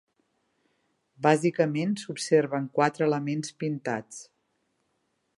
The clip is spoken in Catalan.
Bàsicament s'observen quatre elements pintats.